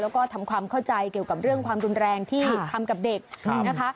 แล้วก็ทำความเข้าใจเกี่ยวกับเรื่องความรุนแรงที่ทำกับเด็กนะคะ